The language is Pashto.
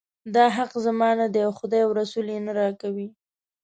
دا حق زما نه دی او خدای او رسول یې نه راکوي.